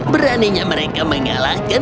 beraninya mereka mengalahkan